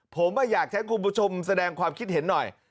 ผมอยากใช้คุณผู้ชมแสดงความคิดเห็นหน่อย